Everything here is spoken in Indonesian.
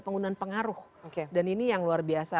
penggunaan pengaruh dan ini yang luar biasa